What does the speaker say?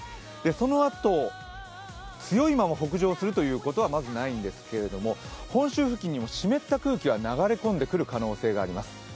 そのあと、強いまま北上するということはまずないんですが、本州付近にも湿った空気が流れ込んでくる可能性があります。